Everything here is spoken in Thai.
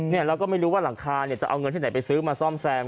แล้วก็ไม่รู้ว่าหลังคาเนี่ยจะเอาเงินที่ไหนไปซื้อมาซ่อมแซม